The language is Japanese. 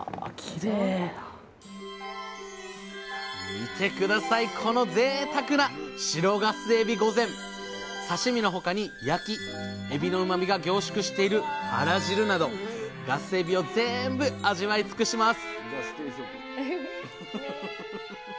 見て下さいこのぜいたくな刺身の他に焼きエビのうまみが凝縮しているあら汁などガスエビを全部味わいつくします！